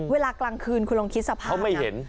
เวลากลางคืนคุณลงคิดสะพาน